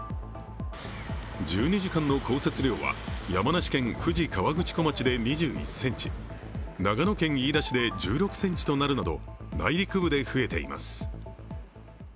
１２時間の降雪量は山梨県富士河口湖町で２１ｃｍ長野県飯田市で１６ｃｍとなるなど内陸部で増えています。